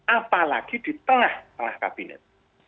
apalagi di tengah tengah kabinet